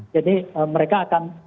jadi mereka akan